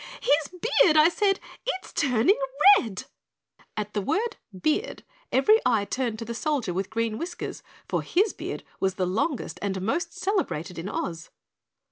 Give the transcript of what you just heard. "His beard, I said, it's turning RED!" At the word "beard" every eye turned to the Soldier with Green Whiskers, for his beard was the longest and most celebrated in Oz.